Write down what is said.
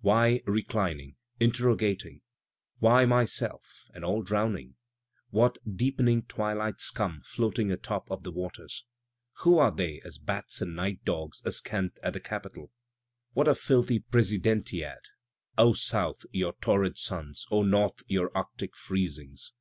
Why reclining, interrogating? why myself and all drowsing? What deepening twilight scum floating atop of the waters? — Who are they as bats and night dogs askant at the capitol? What a filthy presidentiad ! (O South, your torrid suns ! O North. your arctic freezings!)